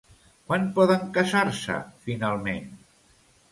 Quan poden casar-se, finalment?